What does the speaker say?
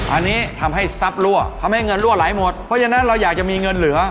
อันนี้ทำให้ทรัพย์รั่วทำให้เงินรั่วไหลหมดเพราะฉะนั้นเราอยากจะมีเงินเหลือ